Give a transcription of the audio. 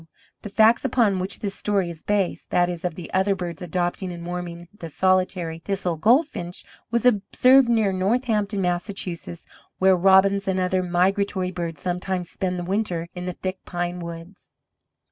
The fact upon which this story is based that is of the other birds adopting and warming the solitary Thistle Goldfinch was observed near Northampton, Mass., where robins and other migratory birds sometimes spend the winter in the thick pine woods.